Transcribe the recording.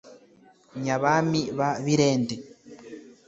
nyabami ba birende